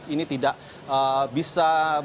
ini tidak bisa berhenti